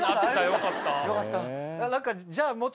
よかった。